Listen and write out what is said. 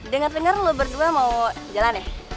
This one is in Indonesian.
dengar dengar lu berdua mau jalan ya